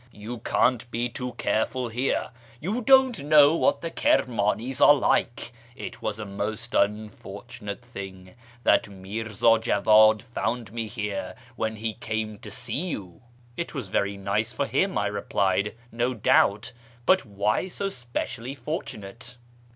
You can't be too careful here. You don't know what the Kirmanis are like. It was a most fortunate thing that Mirza Jawad found me here when he came to see you." " It was very nice for him," I replied, " no doubt. But why so specially fortunate